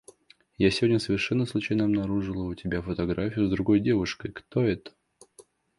Я сегодня совершенно случайно обнаружила у тебя фотографию с другой девушкой. Кто это?